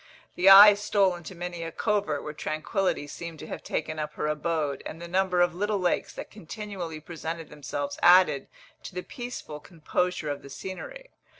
The eye stole into many a covert where tranquillity seemed to have taken up her abode, and the number of little lakes that continually presented themselves added to the peaceful composure of the scenery.